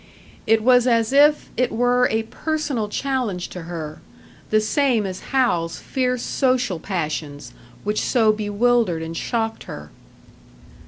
It was as if it were a personal challenge to her; the same as Hal's fierce social passions, which so bewildered and shocked her.